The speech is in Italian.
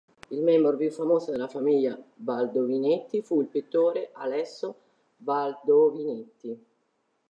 Il membro più famoso della famiglia Baldovinetti fu il pittore Alesso Baldovinetti.